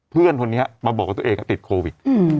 เพื่อนคนนี้มาบอกว่าตัวเองติดโควิด